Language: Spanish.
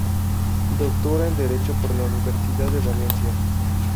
Doctora en Derecho por la Universidad de Valencia.